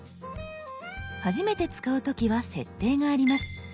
初めて使う時は設定があります。